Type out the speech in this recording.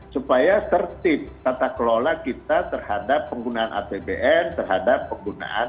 supaya tertib tata kelola kita terhadap penggunaan apbn terhadap penggunaan